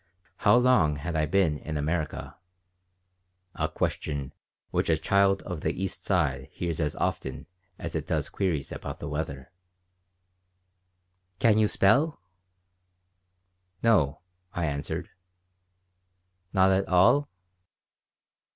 How long had I been in America? (A question which a child of the East Side hears as often as it does queries about the weather.) "Can you spell?" "No," I answered. "Not at all?"